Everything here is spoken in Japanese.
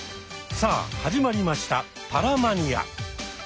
さあ始まりました「パラマニア」。